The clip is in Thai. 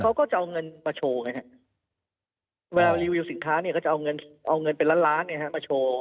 เขาก็จะเอาเงินมาโชว์ไงฮะเวลารีวิวสินค้าเนี่ยก็จะเอาเงินเอาเงินเป็นล้านล้านมาโชว์